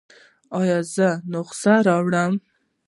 ایا زه نسخه راوړم؟